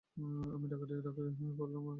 আমি ডাকাডাকি করিলাম, কেহ সাড়া দিল না।